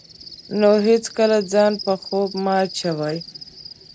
نو هېڅکله ځان په خوب مه اچوئ.